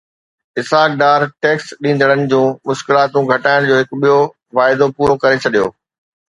Ishaq Dar tax ڏيندڙن جون مشڪلاتون گهٽائڻ جو هڪ ٻيو واعدو پورو ڪري ڇڏيو